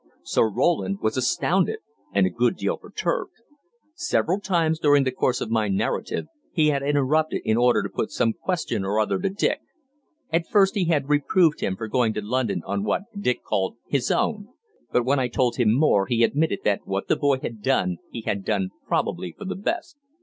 Sir Roland was astounded, and a good deal perturbed. Several times during the course of my narrative he had interrupted in order to put some question or other to Dick. At first he had reproved him for going to London on what Dick called "his own"; but when I told him more he admitted that what the boy had done he had done probably for the best.